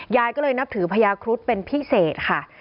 ยายก็เลยนับถือพญาครุฑเป็นพิเศษค่ะ